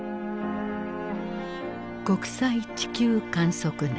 国際地球観測年。